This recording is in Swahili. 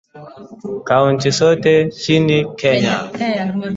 Kaunti zote nchini Kenya